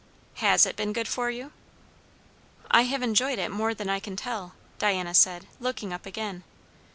"Has it been good for you?" "I have enjoyed it more than I can tell," Diana said, looking up again.